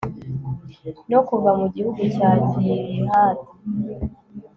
no kuva mu gihugu cya gilihadi